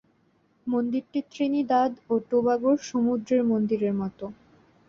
মন্দিরটি ত্রিনিদাদ ও টোবাগোর সমুদ্রের মন্দিরের মতো।